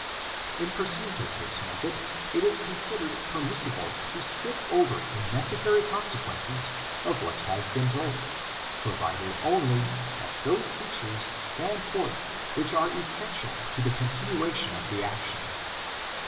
In pursuit of this method it is considered permissible to skip over the necessary consequences of what has been told, provided only that those features stand forth which are essential to the continuation of the action.